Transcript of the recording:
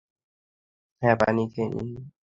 হ্যাঁ, পানি খেয়ে নেশা করছি!